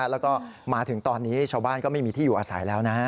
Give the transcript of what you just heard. แล้วก็มาถึงตอนนี้ชาวบ้านก็ไม่มีที่อยู่อาศัยแล้วนะ